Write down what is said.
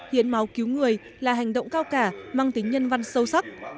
hiến máu cứu người là hành động cao cả mang tính nhân văn sâu sắc